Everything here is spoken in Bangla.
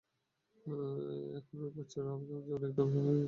এখন ওই বাচ্চারা আমার জীবনের একটা অংশ হয়ে গেছে।